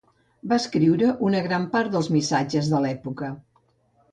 Va escriure una gran part dels missatges de l'època.